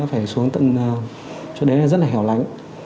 phải xuống tận cho đấy là rất là hẻo lánh